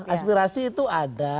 aspirasi itu ada